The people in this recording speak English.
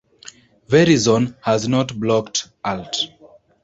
Verizon has not blocked alt.